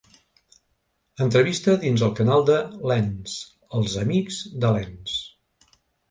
Entrevista dins el canal de l’Ens: ‘Els amics de l’Ens’